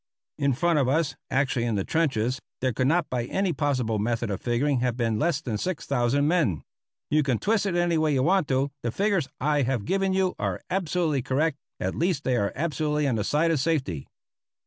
In front of us, actually in the trenches, there could not by any possible method of figuring have been less than 6,000 men. You can twist it any way you want to; the figures I have given you are absolutely correct, at least they are absolutely on the side of safety.